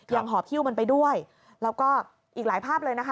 หอบฮิ้วมันไปด้วยแล้วก็อีกหลายภาพเลยนะคะ